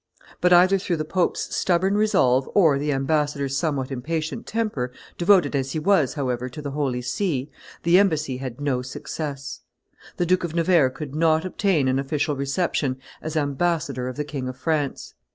But either through the pope's stubborn resolve or the ambassador's somewhat impatient temper, devoted as he was, however, to the Holy See, the embassy had no success. The Duke of Nevers could not obtain an official reception as ambassador of the King of France.